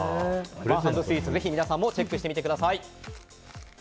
ワンハンドスイーツぜひ皆さんもチェックしてみてください。